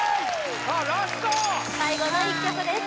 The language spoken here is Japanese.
最後の１曲です